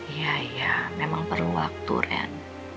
iya iya memang perlu waktu ren